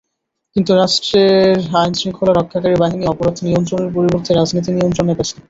কিন্তু রাষ্ট্রের আইনশৃঙ্খলা রক্ষাকারী বাহিনী অপরাধ নিয়ন্ত্রণের পরিবর্তে রাজনীতি নিয়ন্ত্রণে ব্যস্ত।